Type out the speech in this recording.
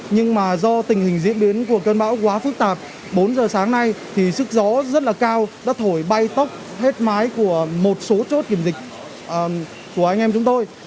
nhưng mà do tình hình diễn biến của cơn bão quá phức tạp bốn giờ sáng nay thì sức gió rất là cao đã thổi bay tốc hết máy của một số chốt kiểm dịch của anh em chúng tôi